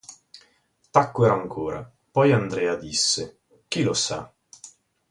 Tacquero ancora; poi Andrea disse: – Chi lo sa?